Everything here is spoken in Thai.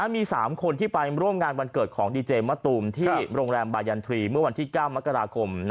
มี๓คนที่ไปร่วมงานวันเกิดของดีเจมะตูมที่โรงแรมบายันทรีเมื่อวันที่๙มกราคม